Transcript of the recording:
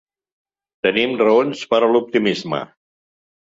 Tenim raons per a l’optimisme.